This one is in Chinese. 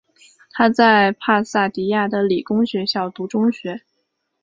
他在帕萨迪娜的理工学校读中学。